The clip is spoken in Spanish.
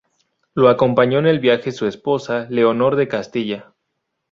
Lo acompañó en el viaje su esposa, Leonor de Castilla.